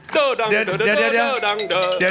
เด้อดังเด้อด้าน